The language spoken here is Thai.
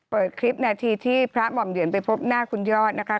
เปิดคลิปนาทีที่พระหม่อมเหรียญไปพบหน้าคุณยอดนะคะ